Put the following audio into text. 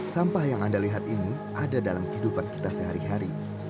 sampah yang anda lihat ini ada dalam kehidupan kita sehari hari